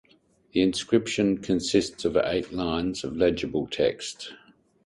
The inscription consists of eight lines of legible text.